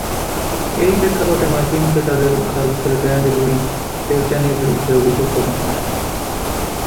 এরই প্রেক্ষাপটে মার্কিন ফেডারেল আদালতের গ্র্যান্ড জুরি দেবযানীর বিরুদ্ধে অভিযোগ গঠন করেন।